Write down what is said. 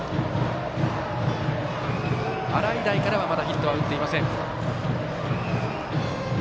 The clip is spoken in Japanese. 洗平からはまだヒットは打っていません。